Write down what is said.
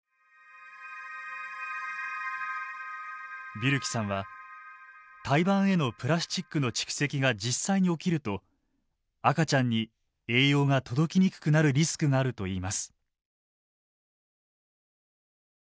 ビュルキさんは胎盤へのプラスチックの蓄積が実際に起きると赤ちゃんに栄養が届きにくくなるリスクがあるといいます。